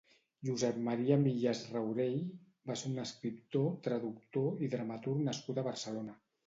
Josep Maria Millàs-Raurell va ser un escriptor, traductor i dramaturg nascut a Barcelona.